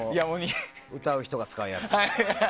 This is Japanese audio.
歌う人が使うやつ。